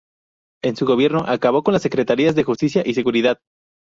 En su gobierno acabó con las secretarías de Justicia y Seguridad.